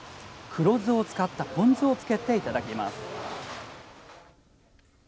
黒酢を使ったポン酢をつけていただきます。